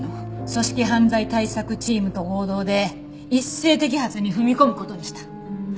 組織犯罪対策チームと合同で一斉摘発に踏み込む事にした。